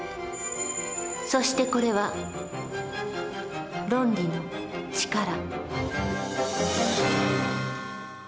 そしてこれは「ロンリのちから」。